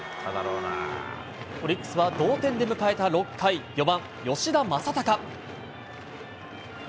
オリックスは同点で迎えた６回、４番吉田正尚。